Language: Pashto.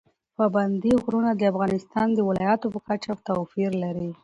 پابندي غرونه د افغانستان د ولایاتو په کچه توپیر لري.